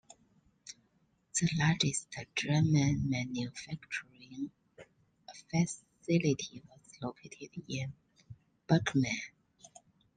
The largest German manufacturing facility was located in Bergkamen.